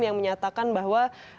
yang menyatakan bahwa